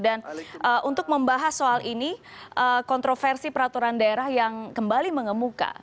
untuk membahas soal ini kontroversi peraturan daerah yang kembali mengemuka